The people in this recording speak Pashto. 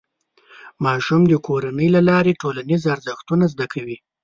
ماشوم د کورنۍ له لارې ټولنیز ارزښتونه زده کوي.